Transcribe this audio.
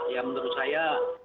yang menurut saya